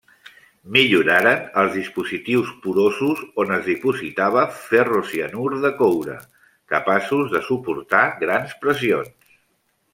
Milloraren els dispositius porosos on es dipositava ferrocianur de coure, capaços de suportar grans pressions.